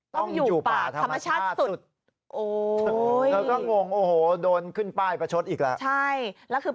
ต้องอยู่ป่าธรรมชาติสุด